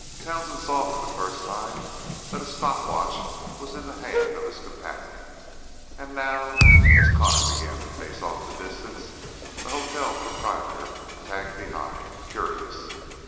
Townsend saw for the first time that a stop watch was in the hand of his companion, and now, as Connor began to pace off the distance, the hotel proprietor tagged behind, curious.